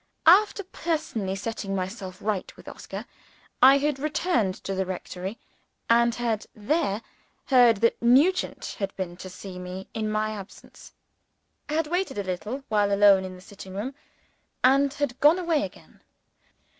After personally setting myself right with Oscar, I had returned to the rectory; and had there heard that Nugent had been to see me in my absence, had waited a little while alone in the sitting room, and had gone away again.